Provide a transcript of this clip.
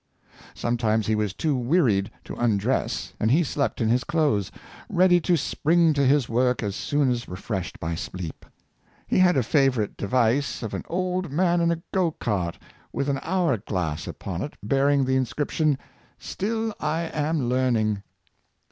Sometimes he was too wearied to undress, and he slept in his clothes, ready to spring to his work as soon as refreshed by sleep. He had a favorite device of an old man in a go cart, with an hour glass upon its bearing the inscription, " Still I am learning."